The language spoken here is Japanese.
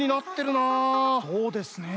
そうですねえ。